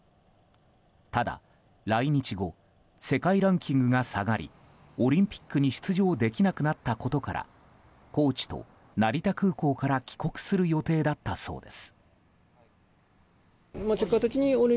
ただ、来日後世界ランキングが下がりオリンピックに出場できなくなったことからコーチと成田空港から帰国する予定だったそうです。